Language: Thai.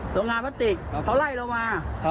โรงงานพลาสติกเขาไล่เรามา